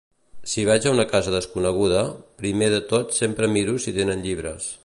Si vaig a una casa desconeguda, primer de tot sempre miro si tenen llibres.